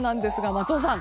松尾さん